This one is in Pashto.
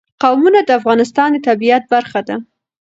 قومونه د افغانستان د طبیعت برخه ده.